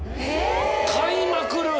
買いまくる？